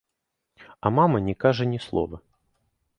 А мама не кажа ні слова.